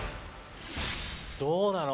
どうなの？